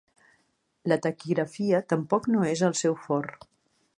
La taquigrafia tampoc no és el seu fort.